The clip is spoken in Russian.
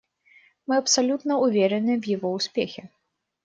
Мы абсолютно уверены в его успехе.